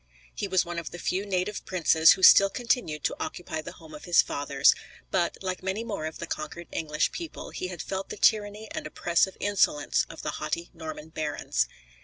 He was one of the few native princes who still continued to occupy the home of his fathers; but, like many more of the conquered English people, he had felt the tyranny and oppressive insolence of the haughty Norman barons.